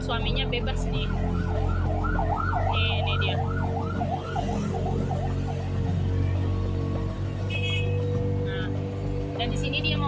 suaminya bebas nih ini dia nah dan disini dia mau